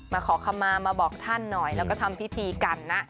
ขอคำมามาบอกท่านหน่อยแล้วก็ทำพิธีกันนะ